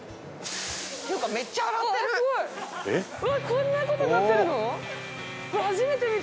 こんなことになってるの？